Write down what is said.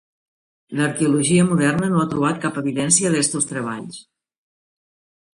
L'arqueologia moderna no ha trobat cap evidència d'estos treballs.